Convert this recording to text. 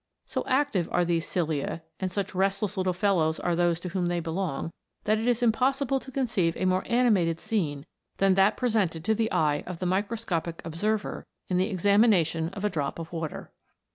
So active are these cilia, and such restless THE INVISIBLE WORLD. 217 little fellows are those to whom they belong, that it is impossible to conceive a more animated scene than that presented to the eye of the microscopic observer in the examination of a drop of water.